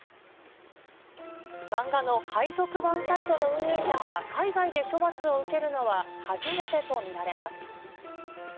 漫画の海賊版サイトの運営者が海外で処罰を受けるのは、初めてと見られます。